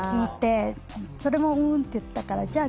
それも「うん」って言ったからじゃあ